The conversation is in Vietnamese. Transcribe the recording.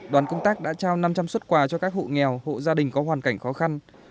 đoàn công tác đã trao năm trăm linh xuất quà cho các hộ nghèo hộ gia đình có hoàn cảnh khó khăn